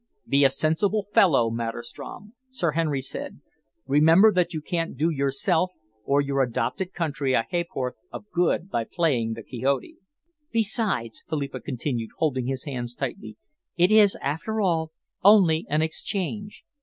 "Be a sensible fellow, Maderstrom," Sir Henry said. "Remember that you can't do yourself or your adopted country a ha'porth of good by playing the Quixote." "Besides," Philippa continued, holding his hands tightly, "it is, after all, only an exchange.